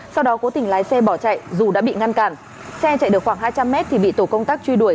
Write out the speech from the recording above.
sau đó cố tình lái xe bỏ chạy dù đã bị ngăn cản xe chạy được khoảng hai trăm linh mét thì bị tổ công tác truy đuổi